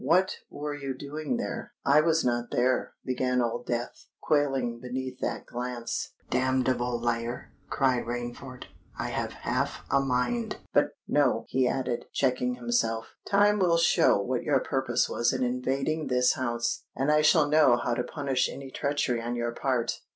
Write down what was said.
"What were you doing there?" "I was not there——" began Old Death, quailing beneath that glance. "Damnable liar!" cried Rainford. "I have half a mind——But, no," he added, checking himself: "time will show what your purpose was in invading this house; and I shall know how to punish any treachery on your part.